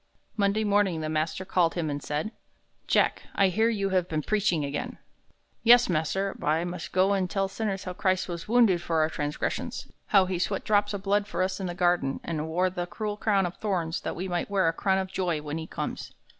Monday morning the master called him and said, "Jack, I hear you have been preaching again." "Yes, mas'r. I must go an' tell sinners how Christ was wounded for our transgressions, how he sweat drops of blood for us in the garden, an' wore that cruel crown of thorns that we might wear a crown of joy when he comes."